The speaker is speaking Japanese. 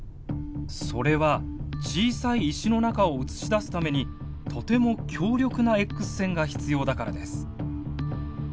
それは小さい石の中を映し出すためにとても強力なＸ線が必要だからです。